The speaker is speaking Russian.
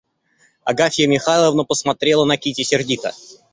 Агафья Михайловна посмотрела на Кити сердито.